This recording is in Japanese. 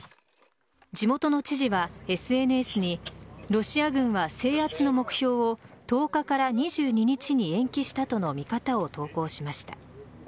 地元の知事はＳＮＳにロシア軍は制圧の目標を１０日から２２日に延期したとの見方を投稿しました。